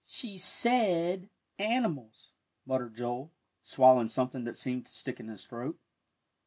"She said animals," muttered Joel, swallowing something that seemed to stick in his throat.